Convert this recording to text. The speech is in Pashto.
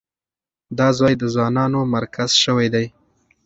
دا ځای د ځوانانو مرکز شوی دی.